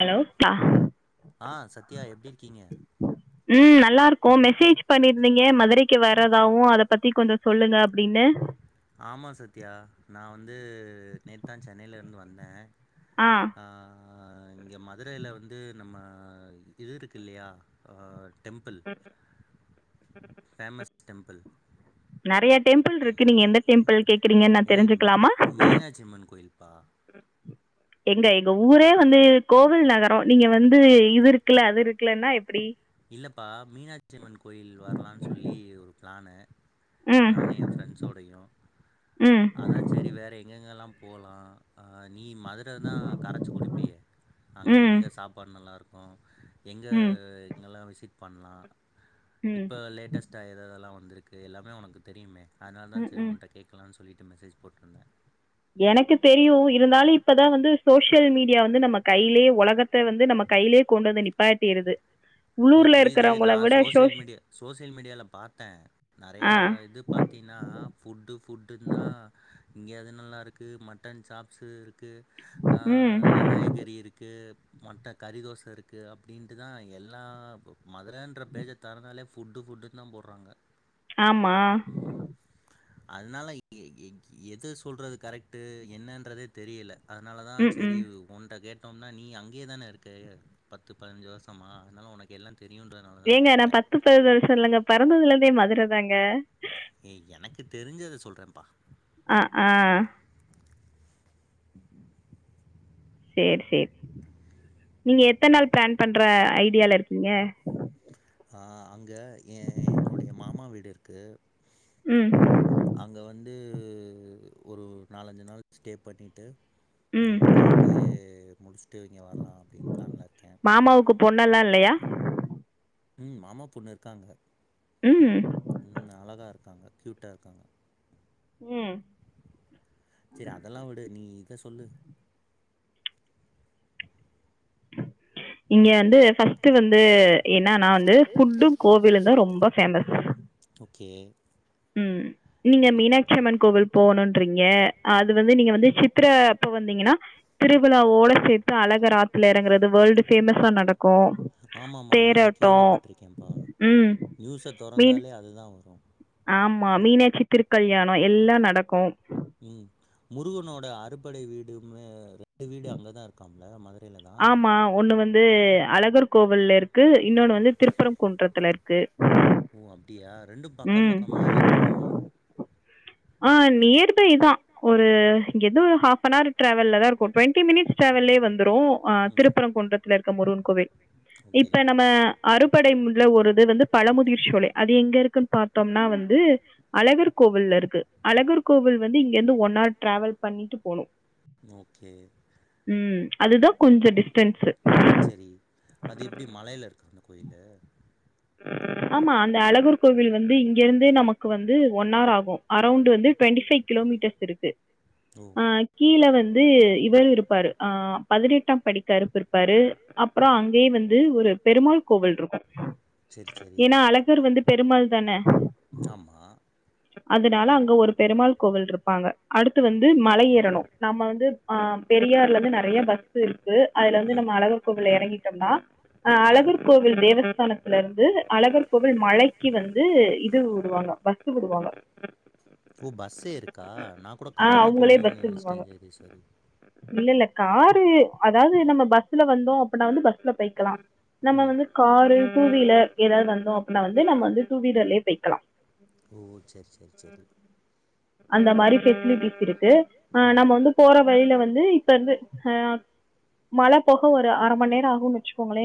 hello கா ம் நல்லா இருக்கு மெசேஜ் பண்ணீர்ந்தீங்க மதுரைக்கு வரதாவு அத பத்தி கொஞ்சோ சொல்லுங்க அப்டின்னு ஆமா சத்யா நா வந்து நேத்துதா சென்னைல இருந்து வந்த ஆ ஆ இங்க மதுரைல வந்து நம்ம இது இருக்கு இல்லியா அ டெம்பல் ஃபேமஸ் டெம்பல் நெறைய டெம்பிள்ருக்கு நீங்க எந்த டெம்பிள் கேக்குறீங்கன் நா தெரிஞ்சுக்கலாமா எங்க எங்க ஊரே வந்து கோவில் நகரோ நீங்க வந்து இது இர் க்குல அது இருக்குலன்னா எப்டி இல்லப்பா மீனாட்சி அம்மன் கோயில் வர்லான் சொல்லி ஒரு பிளானு நானு எ ஃப் ஃப்ரெண்ட்ஸோடையு அதா செரி வேற எங்கெங்கெல்லா போலா அ நீ மதுரதா கரச்சு குடிப்பியே அங்க எங்க சாப்பாடு நல்லா இருக்கு எங்கே எங்கெல்லா விசிட் பண்லா இப்ப லேட்டஸ்ட் டா எது எதெல்லா வந்துருக்கு எல்லாம ஒனக்கு தெரியுமே அதனால்தா சேரி உகிட்ட கேட்கலான் சொல்லிட்டு மெசேஜ் போட்ருந்த எனக்கு தெரியு இருந்தாலு இப்பதா வந்து சோசியல் மீடியா வந்து நம்ம கைலே ஒலகத் த வந்து நம்ம கைலே கொண்டு வந்து நிப்பாட்டிருது இல்ல புரியுது நா சோசியல் மீடியா சோசியல் மீடியால பாத்த நெறைய இது பாத் தீனா ஃபுட்டு ஃபுட்டுன்தா இங்க இது நல்லா இருக்கு மட்டன் சாப்ஸு இருக் கு அ வெங்காயக்கறி இருக்கு மட்ட கறி தோச இருக்கு அப்டீன்ட்டுதா எல்லா மதுரன்ற பேஜ தெறந்தாலே ஃபுட்டு ஃபுட்டுன்தா போட்றாங்க ஆமா அதுனால எஎஎது சொல்றது கரெக்ட்டு என்னன்றதே தெரில அதனாலதா செரி ஒன்ட்ட கேட்டோன்னா நீ அங்கயேதான இருக்க பத்து பதினஞ்சு வர்ஷமா அதனால உனக்கு எல்லா தெரியுன்றனால ஏங்க நா பத்து பதுனோர் வர்ஷோ இல்லங்க பெறந்ததுலந்தே மதுர தாங்க ஏ எனக்கு தெரிஞ்சத சொல்றப்பா அ அ சேரி சேரி நீங்க எத்தன்நாள் ப்ளான் பண்ற ஐடியால இருக்கீங்க அ அங்க எ என்னுடைய மாமா வீடிருக்கு ம் அங்க வந்து ஒரு நாலஞ்சு நாள் ஸ்டே பண்ணீட்டு ம் அப்டியே முடிச்ட்டு இங்க வர்லா அப்டின் பிளான்ல இருக்க மாமாவுக்கு பொண்ணெல்லா இல்லயா ம் மாமா பொண்ணு இருக்காங்க ம் ம் அழகா இருக்காங்க க்யூட்டா இருக்காங்க ம் சேரி அதெல்லா விடு நீ இத சொல்லு எது ஃபஸ்ட்டு வந்து என்னன்னா வந்து ஃபுட்டு கோவிலுந்தா ரொம்ப ஃபேமஸு ஓகே ம் நீங்க மீனாட்சிஅம்மன் கோவில் போணுன்றீங்க அது வந்து நீங்க வந்து சித்ர அப்ப வந்தீங்கன்னா திருவிழாவோட சேத்து அழகர் ஆத்துல எறங்குறது வேர்ல்டு ஃபேமஸ்ஸா நடக்கு ஆமாமா அதெல்லா நா கேள்விப்பட்டிருக்கேப்பா நியூஸ தொறந்தாலே அதுதா வரு ஆமா மீனாட்சி திருக்கல்யாணோ எல்லா நடக்கூ ம் முருகனோட அறுப்படை வீடுமே ரெண்டு வீடு அங்கதா இருக்காம்ல மது ஆமா ஒன்னு வந்து அழகர் கோவில்ல இருக்கு இன்னொன்னு வந்து திருப்பர குன்றத்துல இருக்கு ஓ அப்டியா ரெண்டும் பக்கம் பக்கமா இல்ல தூரமா ஆ நியர்பை தா ஒரு இங்கந்து ஹாஃப்பனாரு டிராவல்லதா இருக்கும் டுவெண்ட்டி மினிட்ஸ் டிரவல்லே வந்துரு ஆ திருப்புர குன்றத்துல இருக்க முருகன் கோவில் இப்ப நம்ம அறுபடைமுல்ல ஒருது வந்து பழமுதிர்ச்சோலை அது எங்க இருக்குன்னு பாத்தோம்னா வந்து அழகர் கோவில்ல இருக்கு அழகர் கோவில் வந்து இங்கிருந்து ஒன் ஹார் டிராவல் பண்ணிட்டு போணு ஓகே ம் அதுதா கொஞ்ச டிஸ்டன்ஸு அது எப்டி மலையில இருக்கா அந்த கோயிலு ஆமா அந்த அழகூர் கோவில் வந்து இங்கிருந்தே நமக்கு வந்து ஒன் ஆர் ஆகு அரௌண்ட் வந்து டுவெண்டி ஃபைவ் கிலோமீட்டர்ஸ் இருக்கு ஓ கீழ வந்து இவர் இருப்பாரு பதினெட்டாம் படிக்கறுப்பு இருப் பாரு அப்புற அங்கயே வந்து ஒரு பெருமாள் கோவில் இருக்கு ஏன்னா அழகர் வந்து பெருமாள் தானே அதுனால அங்க ஒரு பெருமாள் கோவில் இருப்பாங்க அடுத்து வந்து மல ஏறணு நம்ம வந்து ஆ பெரியார்ல இருந்து நறைய பஸ் இருக்கு அதுல வந்து நம்ம அழகர் கோவில் இறங்கிட்டோம்னா அழகர் கோவில் தேவஸ்தான துலருந்து அழகர் கோவில் மழைக்கு வந்து இது விடுவாங்க பஸ்சு விடுவாங்க ஓ பஸ்ஸே இருக்கா நா கூட கார்ல போணுமோ நினைச்சிட்டே ஜெகதேஸ்வரி இல்ல இல்ல காரு அதாவது நம்ம பஸ்ல வந்தோ அப்பட்னா வந்து பஸ்ல போய்கலா நம்ம வந்து காரு டூ வீலர் எதாவது வந்தோ அப்டின்னா வந்து நம்ம வந்து டூ வீலர்லயே போய்கலா ஓ சேர் சேர் சேரி அந்த மாரி ஃபெசிலிட்டிஸ் இருக்கு ஆ நம்ம வந்து போற வழியில வந்து இப்ப இருந்து ஹ மழ போக ஒரு அரை மந்நேரோ ஆகுன்னு வச்சுக்கோங்களே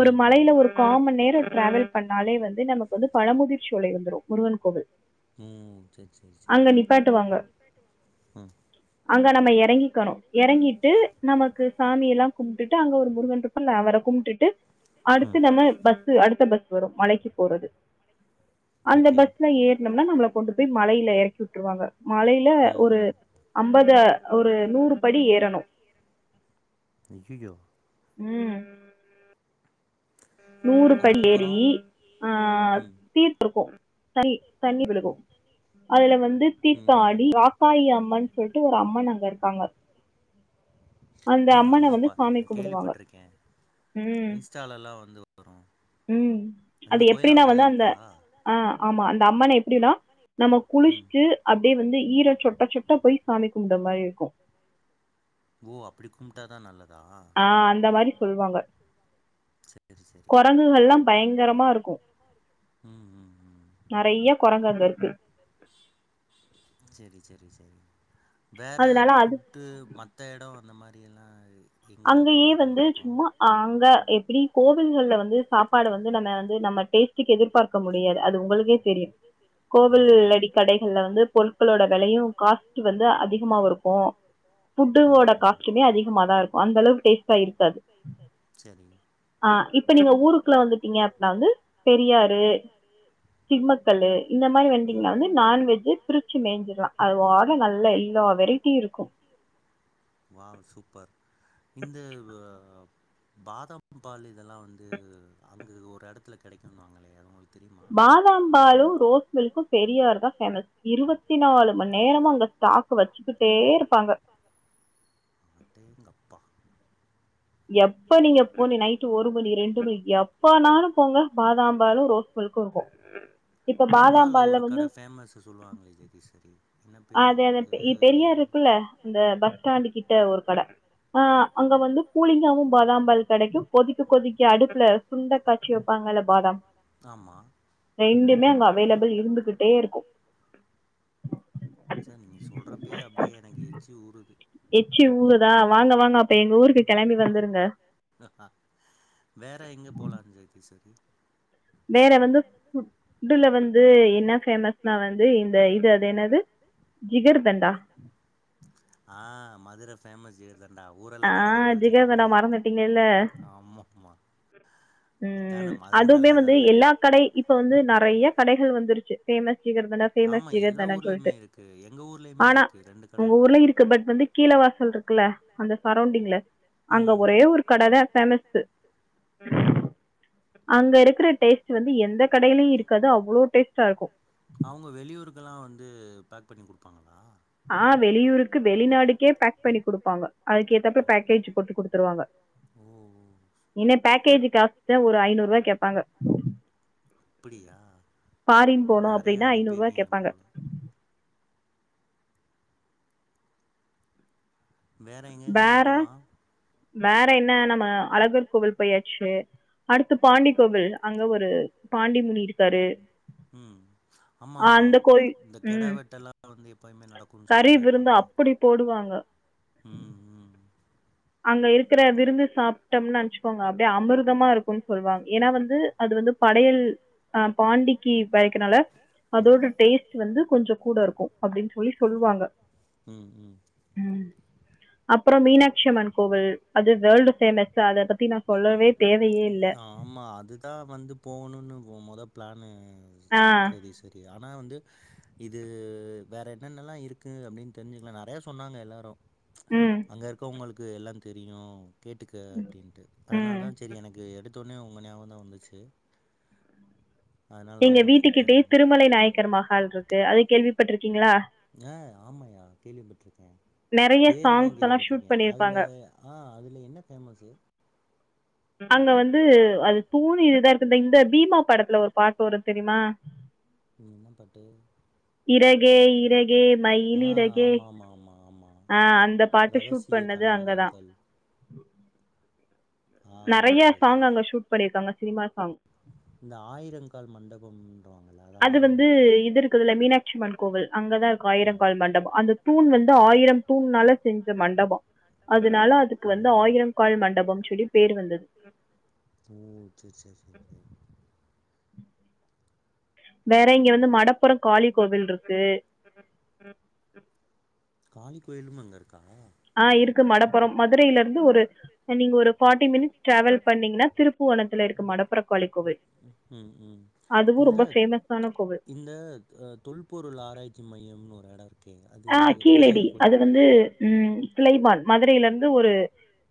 ஒரு மலையில ஒரு காமன் நேரோ டிரராவல் பண்ணாலே வந்து நமக்கு வந்து பழமுதிர்ச்சோலை வந்துரு முருகன் கோவில் ம் சே சே அங்க நிப்பாட்டுவாங்க ம் அங்க நம்ம இறங்கிக்கணு இறங்கிட்டு நமக்கு சாமி எல்லா கும்ட்டுட்டு அங்க ஒரு முருகன் மொதல்ல அவர கும்ட்டுட்டு அடுத்து நம்ம பஸ் அடுத்த பஸ் வரும் மலைக்கு போறது அந்த பஸ்ல ஏறுனம்னா நம்மளை கொண்டு போய் மலையில இறக்கி விட்டுருவாங்க மலை ல ஒரு ஐம்பது ஒரு நூறு படி ஏறணு ஐயயோ ம் நூறு படி ஏறி ஆ தீர்த் இருக்கும் த தண்ணி விழுகு அதுல வந்து தீர்த்த ஆடி ராக் காயி அம்மனு சொல்ட்டு ஒரு அம்மன் அங்க இருக்காங்க அந்த அம்மன வந்து சாமி கும்பிடுவாங்க ம் இன்ஸ்டாலலா வந்து வரு ம் அது எப்டின்னா வந்து அந்த ஆ ஆமா அந்த அம்மன எப்டினா நம்ம குளிச்சுட்டு அப்டியே வந்து ஈர சொட்ட சொட்ட போய் சாமி கும்பிட மாரி இருக்கு ஓ அப்டி கும்ட்டா தா நல்ல ஆ அந்த மாரி சொல்லுவாங்க ககொரங்குகள்லா பயங்கரமா இருக்கு நறைய குரங்கு அங்க இருக்கு சேரி சேரி சேரி வேற ஃபுட் ட்டு மத்த எடோ அந்த மாரி எல்லா எங்க போனா நல்லாயிருக்கு ஆ அங்க எப்டி கோவில்கள்ல வந்து சாப்பாடு வந்து நம்ம வந்து நம்ம டேஸ்ட் டுக்கு எதிர்பார்க்க முடியாது அது உங்களுக்கே தெரியு கோவில் அடி கடைகள்ல வந்து பொருட்களோட விலையு காஸ்டு வந்து அதிகமாவு இருக்கு ஃபுட்டுவோட காஸ்ட்டுமே அதிகமா தா இருக்கு அந்த அளவுக்கு டேஸ்ட்டா இருக்காது சரி ஆ இப்ப நீங்க ஊருக்குள்ள வந்துட்டீங்க அப்டினா வந்து பெரியாரு சிம்மக்கல்லு இந்த மாரி வண்டீங்கனா வந்து நான்வெஜ்ஜு பிரிச்சு மேஞ்சிடலா அது வாட் நல்லா எல்லா வெரைட்டியு இருக்கு வாவ் சூப்பர் இந்த பாதாம் பால் இதெல்லா வந்து அங்கு ஒரு எடத்ல கெடக்குன்னுவாங்களே அது உங்களுக் பாதாம் பாலு ரோஸ் மில்க்கு பெரியார் தா பேமஸ் இருவத்தி நாலு மணி நேரமு அங்க ஸ்டாக்கு வச்சிக்கிட்டே இருப்பாங்க அடேங்கப்பா எப்ப நீங்க போனி நைட்டு ஒரு மணி ரெண்டு மணி எப்பனாலு போங்க பாதம்பாலு ரோஸ் மில்கு இருக்கு உம் அல்வால ஒரு கட ஃபேமஸ்னு சொல்லுவாங்ளே ஜெகதீஷ்வரி அது அத பெரியார் இருக்குல்ல இந்த பஸ்டாண்டு கிட்ட ஒரு கட ஆ அங்க வந்து கூலிங்காவு பாதாம் பால் கெடைக்கு கொதிக்க கொதிக்க அடுப்பேல சுண்ட காச்சி வெப்பாங்கல்ல பாதாம் ஆமா ரெண்டுமே அங்க அவேலபிள் இருந்துகிட்டே இருக்கு ச நீங்க சொல்றப்பயே அப்டியே எனக்கு எச்சி ஊறுது எச்சி ஊருதா வாங்க வாங்க அப்ப எங்க ஊருக்கு கெளம்பி வந்துருங்க ஆ ஆ வேற எங்க போலா ஜெகதீஸ்வரி வேற வந்து ஃபுட்டுல வந்து என்ன ஃபேமஸ்னா வந்து இந்த இது அது என்னது ஜிகர்தண்டா ஆ மதுர ஃபேமஸ் ஜிகர்தண்டா ஆ ஜிகர்தண்டா மறந்துட்டீங்கல்ல ம் அதுவுமே வந்து எல்லா கடை இப்ப வந்து நெறைய கடைகள் வந்துருச்சு ஃபேமஸ் ஜிகர்தண்டா பேமஸ் ஜிகர்தண்டானு சொல்ட்டு ஆனா உங்க ஊர்ல இருக்கு பட் வந்து கீழவாசல்ருக்குல்ல அந்த சரௌண்டிங்ல அங்க ஒரே ஒரு கடதா ஃபேமஸு அங்க இருக்ற டேஸ்ட்டு வந்து எந்த கடயிலயு இருக்காது அவ்ளோ டேஸ்ட்டா இருக்கு அவுங்க வெளியூருக்கெலா வந்து பேக் பண்ணி குடுப்பாங்களா ஆ வெளியூருக்கு வெளிநாடுக்கே பேக் பண்ணி குடுப்பாங்க அதுக்கு ஏத்தப்ப பேக்கேஜ் போட்டு குடுத்துருவாங்க ம் ம் என்ன பேக்கேஜு காஸ்டு தா ஒரு ஐநூறுவா கேப்பாங்க அப்பிடியா நெறய அனுப்பிருக்கீங்க போல வேற எங்கங்கெல்லா போலா வேற என்ன நம்ம அழகர் கோவில் போயாச்சு அடுத்து பாண்டிகோவில் அங்க ஒரு பாண்டி முனி இருக்காரு ஆமா ஆமா இந்த கெடாவெட்டு எல்லா வந்து எப்பயுமே நடக்குனு சொல்லிட்டே இருப்பாங்க அப்படி போடுவாங்க ம் ம் அங்க இருக்ற விருந்து சாப்டம்னு நனச்சு கோங்க அப்டியே அமிர்தமா இருக்குன் சொல்வாங்க ஏன்னா வந்து அது வந்து படயல் அ பாண்டிக்கு படைக்கறனால அதோட டேஸ்ட் வந்து கொஞசோ கூட இருக்கு அப்டீனு சொல்லி சொல்வாங்க உம் அப்றோ மீனாட்சியம்மன் கோவில் அது வேல்டு பேமஸ் அத பத்தி நா சொல்லவே தேவையே இல்ல மா அதுதா வந்து போணுன்னு ஒ மொத ப்ளனு ஜெகதீஷ் வரி ஆனா வந்து இது வேற என்னென்னலா இருக் க்கு அப்டின் தெரிஞ்சுக்கலா நெறைய சொன்னாங்க எல்லார அங்க இருக்கவங்களுக்கு எல்லா தெரியு கேட்டுக்க அப்டீன்ட்டு அதனால தா செரி எனக்கு எடுத்தொன்னயே உங்க ஞாபகோ தா வந்துச்சு அதனால தா உங்கள கூப்ட்ட நானு நாயக்கர் மஹால் இருக்கு அது கேள்விப்பட்டிருக்கீங்களா ஆ ஆமாயா கேள்விப்பட்ருக்கே பேரு தா கேள்விப்பட்ருக்கே அதுல ஆ அதுல என்ன ஃபேமஸு அங்க வந்து அது தூணு இதுதா இருக்கு இந்த இந்த பீமா படத்துல ஒரு பாட்டு வரு தெரியுமா நீ என்ன பாட்டு ஆ ஆமா ஆமா ஆமா ஆமா ரகசிய கனவுகள் தள் நெறையா சாங் அங்க ஷூட் பண்ணியிருக்காங்க சினிமா சாங் இந்த ஆயிரங்கால் மண்டபம் அது வந்து இது இருக்குதுல மீனாச் சிம்மன் கோவில் அங்கதா இருக்கோ ஆயிரோங்கால் மண்டபோ அந்த தூண் வந்து ஆயிரம் தூண்னால செஞ்ச மண்டபோ அதுனால அதுக்கு வந்து ஆயிரம் கால் மண்டபம் சொல்லி பேரு வந்தது தூண் செரி செரி செரி செரி வேற இங்க வந்து மடப்புரோ காளி கோவில் இருக்கு காளி கோயிலும் அங்க இருக்கா ஆ இருக்கு மடப்புரம் மதுரையில இருந்து ஒரு நீங்க ஒரு ஃபார்ட்டி மினிட்ஸ் டிராவல் பன்னீங்கன்னா திருப்புவனத்துல இருக்கு மடப்புரக் காளி கோவில் அதுவு ரொம்ப ஃபேமஸான கோவில் இந்த த தொல்பொருள் ஆராய்ச்சி மையம்னு ஒரு எடோ இருக்கே அது பேரு கூட வந்து ம் சிலைமான் மதுரையில இருந்து ஒரு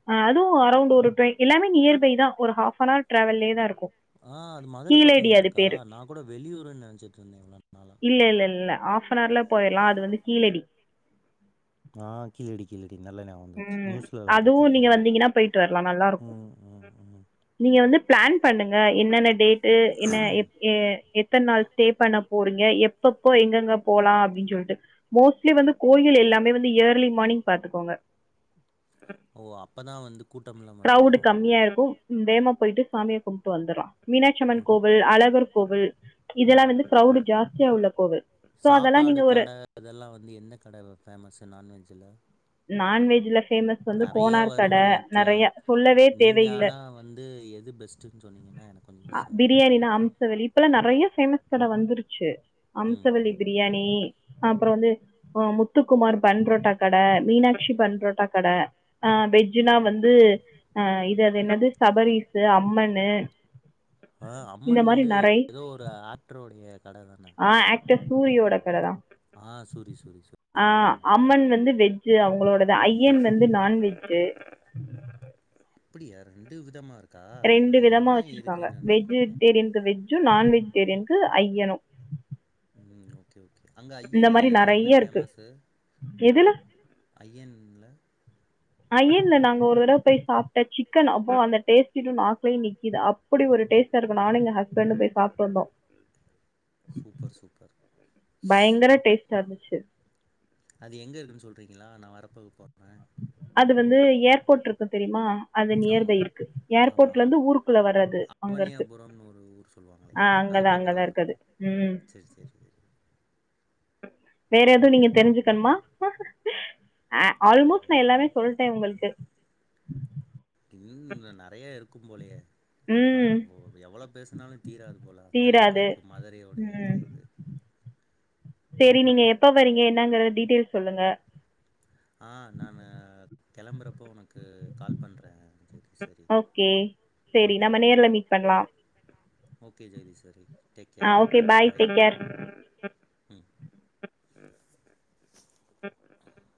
அ அதுவு அரௌண்ட்டு ஒரு டிரெய் எல்லாமே நியர் பை தா ஒரு ஹாஃப் அனார் ட்ராவல்லே தா இருக்கோ ஆ அது மதுர பக்கந்தா இருக்கா நா கூட வெளியூர்னு நெனைச்சிட்டு இருந்தே இவ்ளோ நாளா ஆஃபனார்ல போயிரெலா அது வந்து கீழடி ஆ கீலடி கீலடி நல்லா ஞாபகோ வந்துர்ச்சு நியூஸ்லலா பாத்ருக்கே ம் ம் நீங்க வந்து பிளான் பண்ணுங்க என்னென்ன டேட்டு என்ன எப் ஏ எத்தன நாள் ஸ்டே பண்ணப் போறீங்க எப்பப்போ எங்கெங்க போலா அப்டீன் சொல்ட்டு மோஸ்ட்லி வந்து கோயில் எல்லாமே வந்து இயர்லி மார்னிங் பாத்துக்கோங்க ஓ அப்பதா வந்துப் க்ரவுடு கம்மியா இருக்கோ வேமா போயிட்டு சாமிய கும்ட்டு வந்துர்லா மீனாட்சியம்மன் கோவில் அழகர் கோவில் இதெல்லா வந்து கிரவுடு ஜாஸ்தியா உள்ள கோவில் சோ அதெல்லா நீங்க ஒரு அதெல்லா வந்து எந்த கட ஃபேமஸ்ஸு நான்வெஜ்ஜுல நறையா வருது நெட்ல நீங்க ஆனா வந்து எது பெஸ்ட் டுன்னு சொன்னீங்கன்னா எனக்கு கொஞ் அ பிரியாணின்னா அம்சவல்லி இப்பல்லா நெறையா பேமஸ் கட வந்துருச்சு அம்சவல்லி பிரி பிரியாணி அப்புறோ வந்து முத்துக்குமார் பன் புரோட்டா கட மீனாட்சி பன் புரோட்டா கட ஆ வெஜ்ஜுனா வந்து ஆ இது அது என்னது சபரீஸ்ஸு அம்மனு ஆ அம்மன் வந்து எதோ ஒரு ஆக்டரோடய கட தான ஆ ஆக்டர் சூரியோட கடதா ஆ அம்மன் வந்து வெஜ் ஜு அவங்களோடது ஐய்யன் வந்து நான் வெஜ்ஜு அப்புடியா ரெண்டு விதமா இருக் ரெண்டு விதமா வெச்சிருக்காங்க வெஜ்ஜு வெஜிடேரியனுக்கு வெஜ்ஜும் நான் வெஜிடேரியனுக்கு ஐயனோ ம் ஓக்கே ஓக்கே அங்க ஐயன்ல என்ன ஃபேமஸு எதுல ஐயன்ல ஐயன்ல்ல நாங்க ஒரு தடவ போய் சாப்ட்ட சிக்கன் அப்பா அந்த டேஸ்டு இன்னு நாக்குலயே நிக்குது அ அப்டி ஒரு டேஸ்ட்டா இருக்கு நானு எங்க ஹஸ்பண்டு போய் சாப்ட்டு வந்தோ சூப்பர் சூப்பர் பயங்கர டேஸ்ட்டா இருந்துச்சு அது எங்க இருக்குன்னு சொல்றீங்களா நா வரப்போ போறே அது வந்து ஏர்போர்ட் இருக்கு தெரியுமா அது நியர்ல இருக்கு ஏர்போர்ட்ல இருந்து ஊருக்குள்ள வர்றது அங்க இருக்கு ஆ அங்கதா அங்கதா இருக்கு அது ம் வேற எதுவு நீங்க தெரிஞ்சுக்கணுமா அ ஆல்மோஸ்ட் நா எல்லாமே சொல் சொல்டே டே உங்களுக்கு இன்னு நெறைய இருக்கு போலயே வ ஒ எவ்வளோ பேசினாலு தீராது போல அந்த அளவுக்கு இருக்கு மதுரையுடைய இது சேரி நீங்க எப்ப வரீங்க என்னங்கிறத டீட்டெயில்ஸ் சொல்லுங்க ஆ நானு கெளம்புறப்போ உனக்கு கால் பண்றே ஜோதி [inaudible] ஓகே சேரி நம்ம நேர்ல மீட் பண்ணலா okay Jagadeeswari take care bye அ ஒகே பாய் டேக் கேர் ம் [inaudible]